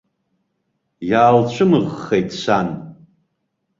Иаалцәымыӷхеит сан.